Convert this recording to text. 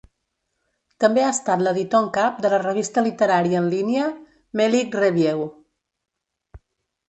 També ha estat l'editor en cap de la revista literària en línia 'Melic Review'.